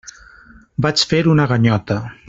Vaig fer una ganyota.